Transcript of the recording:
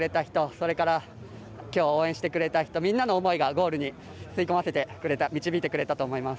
それから、今日応援してくれた人みんなの思いがゴールに導いてくれたと思います。